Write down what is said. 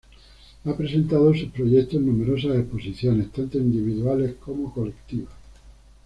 Ha presentado sus proyectos en numerosas exposiciones, tanto individuales como colectivas.